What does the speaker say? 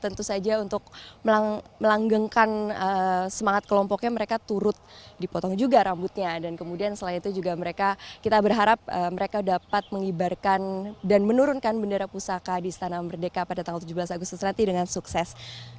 tentu saja untuk melanggengkan semangat kelompoknya mereka turut dipotong juga rambutnya dan kemudian selain itu juga mereka kita berharap mereka dapat mengibarkan dan menurunkan bendera pusaka di istana merdeka pada tanggal tujuh belas agustus nanti dengan sukses